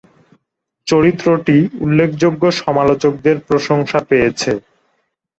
চরিত্রটি উল্লেখযোগ্য সমালোচকদের প্রশংসা পেয়েছে।